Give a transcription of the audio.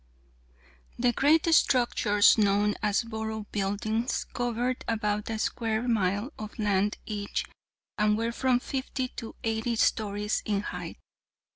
"The great structures known as borough buildings covered about a square mile of land each, and were from fifty to eighty stories in height.